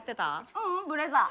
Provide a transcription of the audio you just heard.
ううんブレザー。